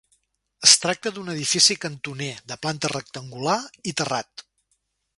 Es tracta d'un edifici cantoner, de planta rectangular i terrat.